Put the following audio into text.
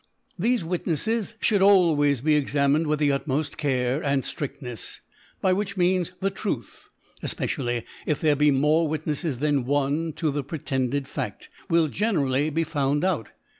Thefe Witneffes (hould always be examined with the utmoft Care and Stridlnefs, by which Means the Truth (efpecially if there be more Witnefles than one to. the pretended Fad) will generally be found out.